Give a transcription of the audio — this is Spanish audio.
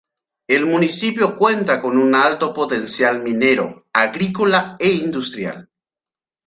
El municipio cuenta con un alto potencial minero, agrícola e industrial.